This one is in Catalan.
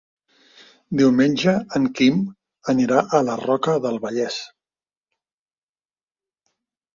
Diumenge en Quim anirà a la Roca del Vallès.